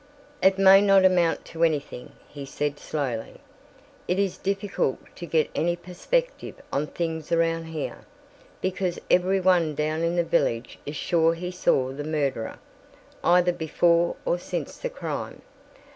"It may not amount to anything," he said slowly. "It is difficult to get any perspective on things around here, because every one down in the village is sure he saw the murderer, either before or since the crime.